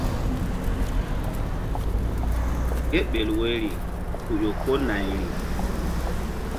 Kéɓel woyri ku ƴo ko nayri.